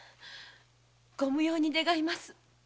ご無用に願います。